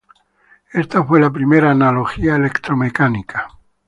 Esta fue la primera analogía electromecánica.